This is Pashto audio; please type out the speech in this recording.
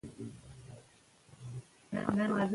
مرهټي قوماندانان په جګړه کې ووژل شول.